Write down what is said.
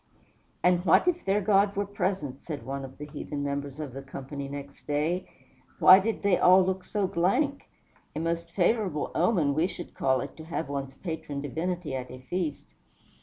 "And what if their God were present?" said one of the heathen members of the company, next day. "Why did they all look so blank? A most favorable omen, we should call it, to have one's patron divinity at a feast."